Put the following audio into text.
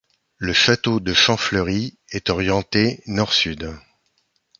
Le château de Champfleury est orienté nord-sud.